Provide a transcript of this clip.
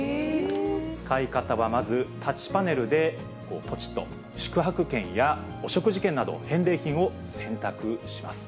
使い方はまず、タッチパネルで、ぽちっと、宿泊券やお食事券など、返礼品を選択します。